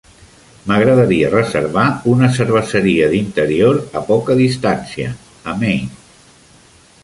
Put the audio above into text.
M'agradaria reservar una cerveseria d'interior a poca distància, a Maine.